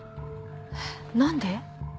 何で？